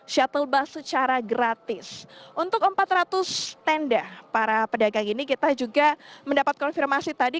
shuttle bus secara gratis untuk empat ratus tenda para pedagang ini kita juga mendapat konfirmasi tadi